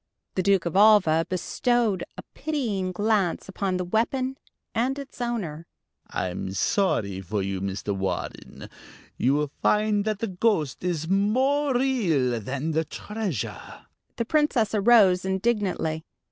The Duke of Alva bestowed a pitying glance upon the weapon and its owner. "I'm sorry for you, Mr. Warren. You will find that the ghost is more real than the treasure." The Princess arose indignantly.